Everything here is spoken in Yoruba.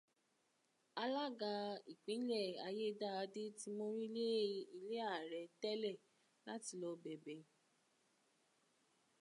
Alága ìpínlẹ̀ Ayédáadé ti mórílè ilé ààrẹ tẹ́lẹ̀ láti lọ bẹ̀bẹ̀.